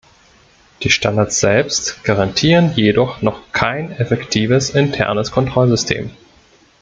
Die Standards selbst garantieren jedoch noch kein effektives internes Kontrollsystem.